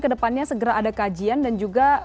ke depannya segera ada kajian dan juga